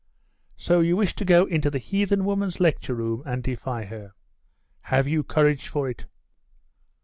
'So you wish to go into the heathen woman's lecture room, and defy her? Have you courage for it?